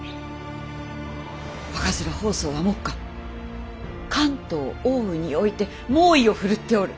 赤面疱瘡は目下関東・奥羽において猛威を振るっておる。